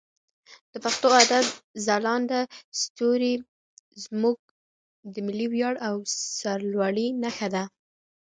د پښتو ادب ځلانده ستوري زموږ د ملي ویاړ او سرلوړي نښه ده.